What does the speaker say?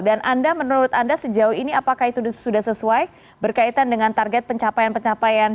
dan anda menurut anda sejauh ini apakah itu sudah sesuai berkaitan dengan target pencapaian pencapaian